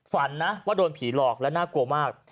ฝันนะว่าโดนผีหลอกและน่ากลัวมาก